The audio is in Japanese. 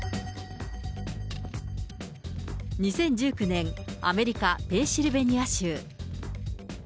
２０１９年、アメリカ・ペンシルベニア州。